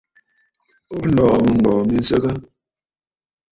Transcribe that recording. O lɔ̀ɔ̀ mɨŋgɔ̀ɔ̀ mi nsəgə?